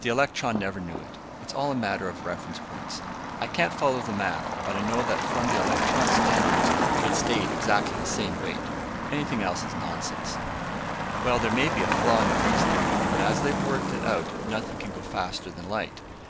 "The electron never knew it; it's all a matter of reference points. I can't follow the math, but I know that from the electron's standards it stayed exactly the same weight. Anything else is nonsense." "Well, there may be a flaw in the reasoning, but as they've worked it out, nothing can go faster than light.